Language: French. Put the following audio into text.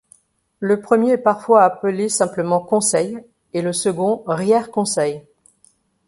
Le premier est parfois appelé simplement Conseil et le second Rière-Conseil.